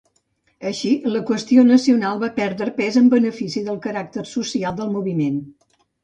Així, la qüestió nacional va perdre pes en benefici del caràcter social del moviment.